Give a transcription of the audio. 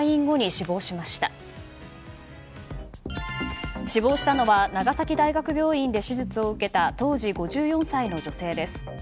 死亡したのは長崎大学病院で手術を受けた当時５４歳の女性です。